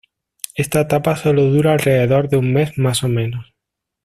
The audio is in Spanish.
Esta etapa sólo dura alrededor de un mes más o menos.